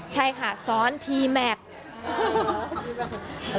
ใช่ค่ะซ้อนทีแม็กซ์